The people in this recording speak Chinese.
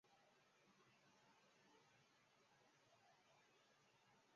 北美最高峰迪纳利山位于园内。